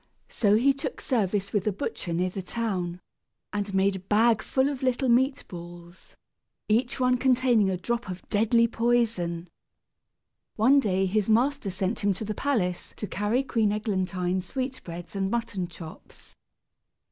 So he took service with a butcher near the town, and made a bag full of little meat balls, each one containing a drop of deadly poison. One day his master sent him to the palace to carry Queen Eglantine's sweetbreads and mutton chops.